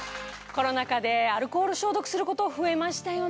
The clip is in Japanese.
コロナ禍でアルコール消毒すること増えましたよね。